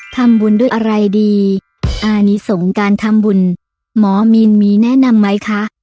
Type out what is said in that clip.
ทำบุญด้วยอะไรดีอานิสงฆ์การทำบุญหมอมีนมีแนะนำไหมคะ